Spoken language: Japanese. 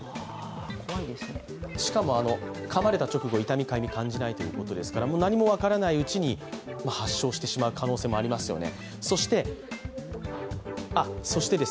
しかも、かまれた直後、痛み、かゆみ感じないということですから何も分からないうちに、発症してしまう可能性もありますよね。